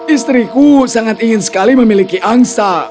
istriku sangat ingin sekali memiliki angsa